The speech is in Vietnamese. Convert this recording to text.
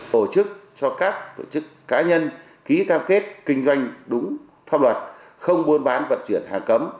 tổ chức cho các tổ chức cá nhân ký cam kết kinh doanh đúng pháp luật không buôn bán vận chuyển hàng cấm